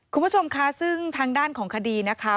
คุณผู้ชมค่ะซึ่งทางด้านของคดีนะคะ